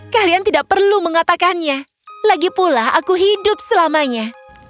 kalian tidak perlu mengatakannya lagipula aku hidup selamanya